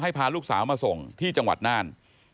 พาลูกสาวมาส่งที่จังหวัดน่าน